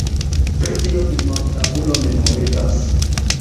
Pri tio memortabulo memorigas.